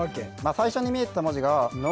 最初に見えてた文字が「の」